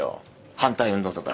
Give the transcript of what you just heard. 反対運動とか。